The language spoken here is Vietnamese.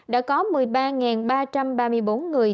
đã có một mươi ba ba trăm ba mươi bốn người